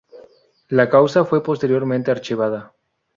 La causa fue posteriormente archivada.